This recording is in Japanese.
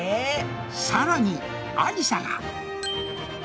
さらにありさが。